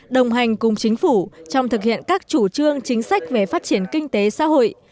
đồng hành cùng chính phủ trong thực hiện các chủ trương chính sách về phát triển kinh tế xã hội